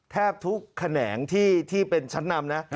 แทบทุกแขนงที่เป็นชั้นนำนะ